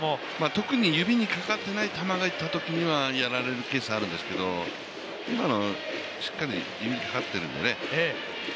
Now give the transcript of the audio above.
特に指にかかっていない球が入ってきたときにはやられるケースあるんですけど今のしっかり指にかかっているんでね。